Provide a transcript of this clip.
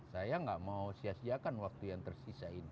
saya nggak mau sia siakan waktu yang tersisa ini